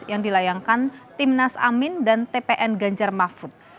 yang dilayangkan timnas amin dan tpn ganjar mahfud